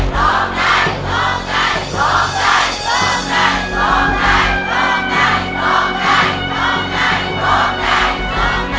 โจรใจ